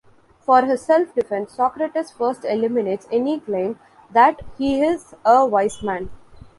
For his self-defence, Socrates first eliminates any claim that he is a wise man.